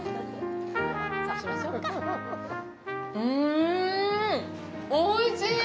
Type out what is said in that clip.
うん、おいしい！